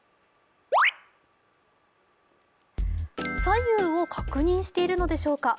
左右を確認しているのでしょうか。